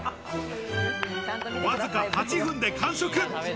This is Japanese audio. わずか８分で完食。